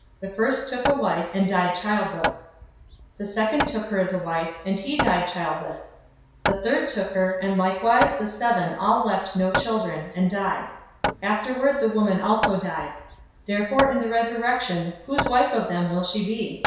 The first took a wife, and died childless. 020:030 The second took her as wife, and he died childless. 020:031 The third took her, and likewise the seven all left no children, and died. 020:032 Afterward the woman also died. 020:033 Therefore in the resurrection whose wife of them will she be?